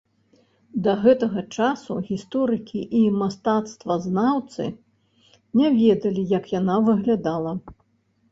Да гэтага часу гісторыкі і мастацтвазнаўцы не ведалі, як яна выглядала.